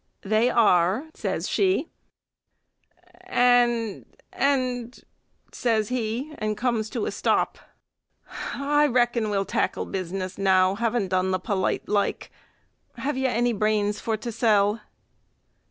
"They are," says she. "And and " says he, and comes to a stop "I reckon we'll tackle business now, having done the polite like. Have you any brains for to sell?"